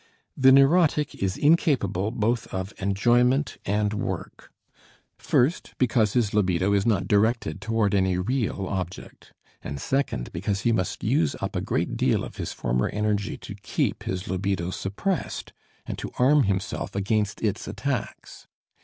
The neurotic is incapable both of enjoyment and work; first, because his libido is not directed toward any real object, and second because he must use up a great deal of his former energy to keep his libido suppressed and to arm himself against its attacks.